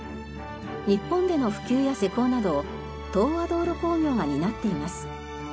日本での普及や施工などを東亜道路工業が担っています。